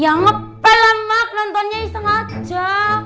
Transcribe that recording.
ya ngepel lah mak nontonnya iseng aja